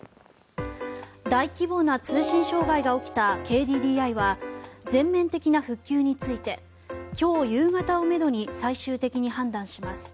大規模な通信障害が起きたＫＤＤＩは全面的な復旧について今日夕方をめどに最終的に判断します。